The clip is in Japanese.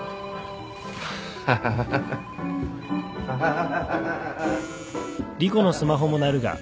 ハハハハハハハハ。